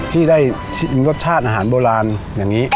ที่ได้ชิมรสชาติอาหารโบราณอย่างนี้